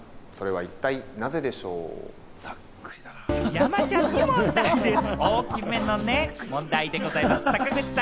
山ちゃんに問題でぃす。